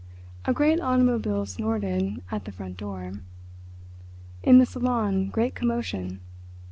A great automobile snorted at the front door. In the salon great commotion.